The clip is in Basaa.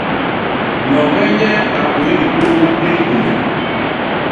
Loñge nyen a gwéé lipôô li mpume.